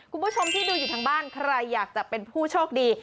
คุณผู้ชมที่ดูอยู่ทางบ้านใครอยากจะเป็นผู้โชคดี